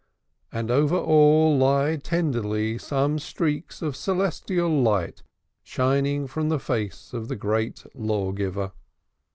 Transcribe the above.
And over all lie tenderly some streaks of celestial light shining from the face of the great Lawgiver.